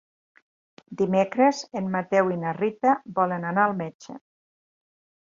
Dimecres en Mateu i na Rita volen anar al metge.